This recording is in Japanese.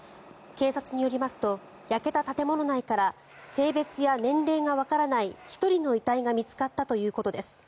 警察によりますと焼けた建物内から性別や年齢がわからない１人の遺体が見つかったということです。